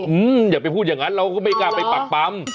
อย่าไปพูดอย่างนั้นเราก็ไม่กล้าไปปักปั๊ม